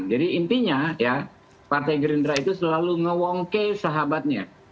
intinya ya partai gerindra itu selalu ngewongke sahabatnya